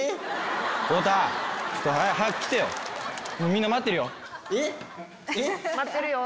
みんな待ってるよ。